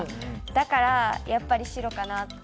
だからやっぱり白かなって。